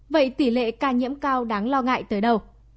vậy tỷ lệ ca nhiễm cao đáng lo ngại tới đâu